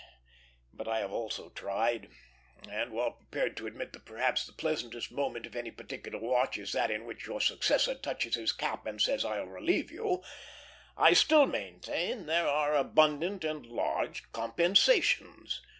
But I also have tried; and while prepared to admit that perhaps the pleasantest moment of any particular watch is that in which your successor touches his cap and says, "I'll relieve you," I still maintain there are abundant and large compensations.